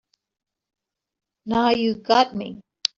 Now you got me.